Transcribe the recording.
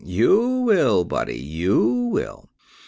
You will, buddy, you will.